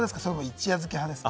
一夜漬け派ですか？